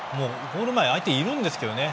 ゴール前に相手いるんですけどね。